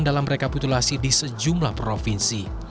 dalam rekapitulasi di sejumlah provinsi